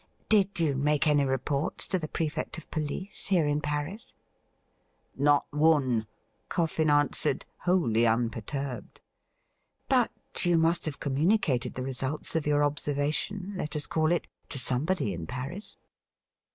' Did you make any reports to the Prefect of Police, here in Paris ?'' Not one,' Coffin answered, wholly unperturbed. ' But you must have communicated the results of your observation — let us call it — to somebody in Paris.'